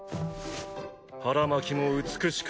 腹巻きも美しく。